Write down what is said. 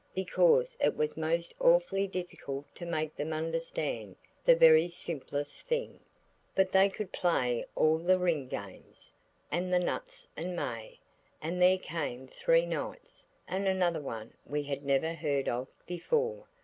Because it is most awfully difficult to make them understand the very simplest thing. But they could play all the ring games, and "Nuts and May" and "There Came Three Knights"–and another one we had never heard of before.